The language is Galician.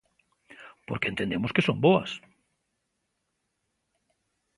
Porque entendemos que son boas.